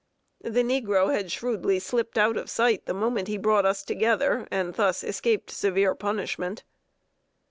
The negro had shrewdly slipped out of sight the moment he brought us together, and thus escaped severe punishment.